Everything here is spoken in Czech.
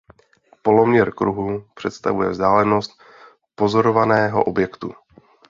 Poloměr kruhu představuje vzdálenost pozorovaného objektu.